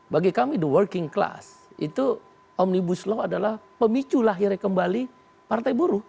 bagi kami the working class itu omnibus law adalah pemicu lahirnya kembali partai buruh